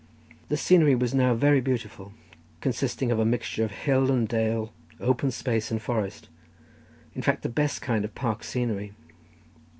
The scenery was now very lovely, consisting of a mixture of hill and dale, open space and forest, in fact the best kind of park scenery.